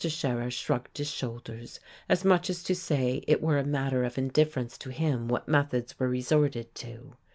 Scherer shrugged his shoulders, as much as to say it were a matter of indifference to him what methods were resorted to.